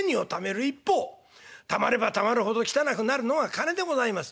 たまればたまるほど汚くなるのが金でございます。